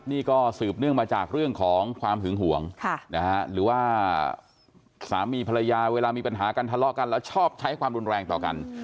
นี่ก็สืบเนื่องมาจากเรื่องของความหึงห่วงหรือว่าสามีภรรยาเวลามีปัญหากันทะเลาะกันแล้วชอบใช้ความรุนแรงต่อกัน